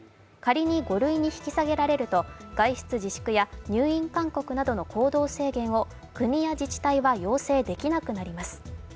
仮に５類に引き下げられると外出自粛や入院勧告などの行動制限を国や自治体は要請できなくなります。